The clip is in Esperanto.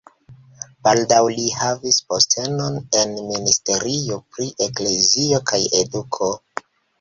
Baldaŭ li havis postenon en ministerio pri eklezio kaj eduko.